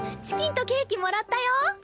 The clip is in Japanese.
チキンとケーキもらったよ！